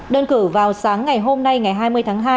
đơn cử vào sáng ngày hôm nay ngày hai mươi tháng hai